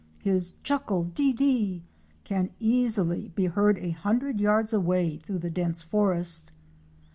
His Chuckle de deé! can easily be heard a hundred yards away through dense forest.